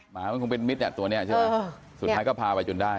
หมามันคงเป็นมิตรตัวนี้ใช่ไหมสุดท้ายก็พาไปจนได้